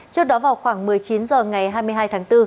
trước đó vào khoảng một mươi chín h ngày hai mươi hai tháng bốn